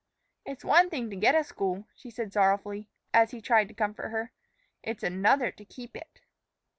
"It's one thing to get a school," she said sorrowfully, as he tried to comfort her; "it's another to keep it."